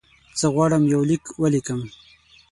زه غواړم یو لیک ولیکم.